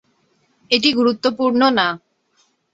এটি গুরুত্বপূর্ণ না।